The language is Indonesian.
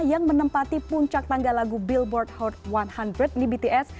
yang menempati puncak tangga lagu billboard one handbrid di bts